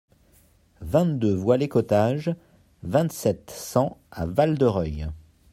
vingt-deux voie Les Cottages, vingt-sept, cent à Val-de-Reuil